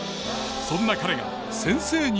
そんな彼が先生になる。